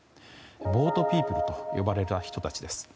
ボートピープルと呼ばれた人たちです。